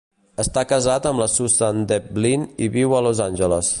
Està casat amb la Susan Devlin i viu a Los Angeles.